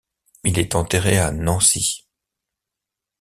Il est enterré à Nancy.